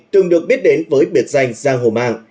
từng được biết đến với biệt danh giang hồ mang